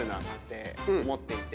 思っていて。